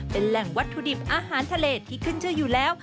เป็นแหล่งวัตถุดิบอาหารทะเลที่ขึ้นชื่ออยู่แล้ว